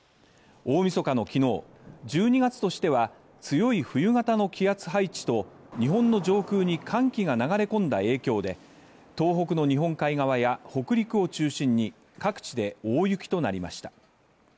大みそかの昨日、１２月としては強い冬型の気圧配置と日本の上空に寒気が流れ込んだ影響で東北の日本海側や北陸を中心に各地で大雪となりました。